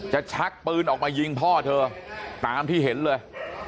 ชักปืนออกมายิงพ่อเธอตามที่เห็นเลย